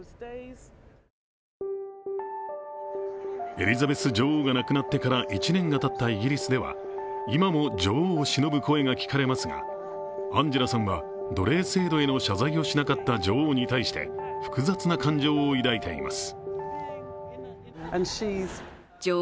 エリザベス女王が亡くなってから１年がたったイギリスでは今も女王をしのぶ声が聞かれますがアンジェラさんは奴隷制度への謝罪をしなかった女王に対して複雑な感情を抱いています。